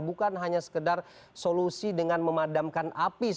bukan hanya sekedar solusi dengan memadamkan api